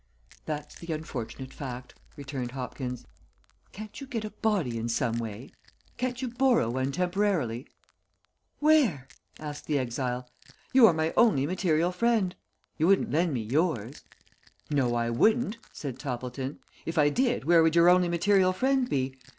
"That's the unfortunate fact," returned Hopkins. "Can't you get a body in some way? Can't you borrow one temporarily?" "Where?" asked the exile. "You are my only material friend. You wouldn't lend me yours." "No, I wouldn't," said Toppleton. "If I did, where would your only material friend be?